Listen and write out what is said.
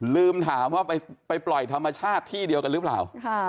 ลืมถามว่าไปปล่อยธรรมชาติที่เดียวกันหรือเปล่า